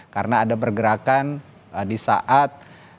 karena ada pergerakan di saat